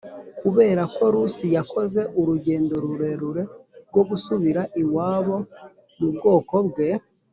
kubera ko rusi yakoze urugendo rurerure rwo gusubira iwabo mu bwoko bwe